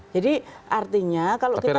jadi artinya kalau kita melihat